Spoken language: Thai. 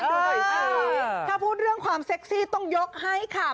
ถ้าพูดเรื่องความเซ็กซี่ต้องยกให้ค่ะ